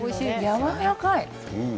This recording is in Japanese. やわらかい。